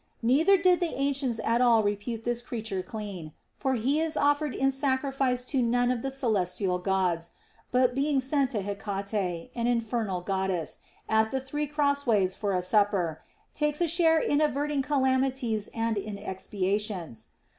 Neither did the ancients at all re pute this creature clean ; for he is offered in sacrifice to none of the celestial Gods, but being sent to Hecate, an infernal Goddess, at the three cross ways for a supper, takes a share in averting calamities and in expiations.